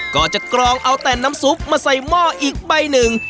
ก็จะกรองเอาแต่น้ำซุปมาใส่หม้ออีกใบหนึ่ง